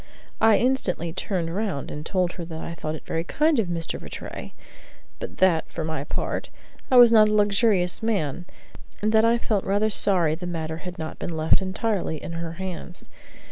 I instantly turned round and told her that I thought it very kind of Mr. Rattray, but that, for my part, I was not a luxurious man, and that I felt rather sorry the matter had not been left entirely in her hands.